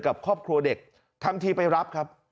กับครอบครัวเด็กทำทีไปรับครับ